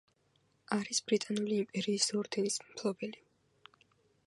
არის ბრიტანული იმპერიის ორდენის მფლობელი.